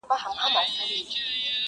خره غوږونه ښوروله بې پروا وو؛